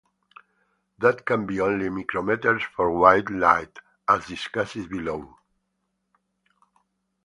That can be only micrometers for white light, as discussed below.